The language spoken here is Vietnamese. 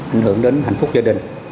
ảnh hưởng đến hạnh phúc gia đình